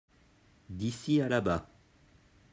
D'ici à là-bas.